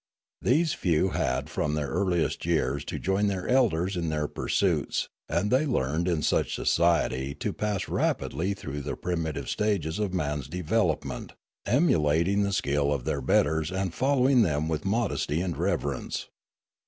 These few had from their earliest years to join their elders in their pursuits, and they learned in such society to pass rapidly through the primitive stages of man's develop ment, emulating the skill of their betters and following them with modesty and reverence.